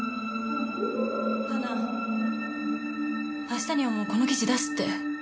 あしたにはもうこの記事出すって。